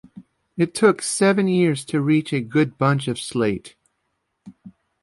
It took seven years to reach a good bunch of slate.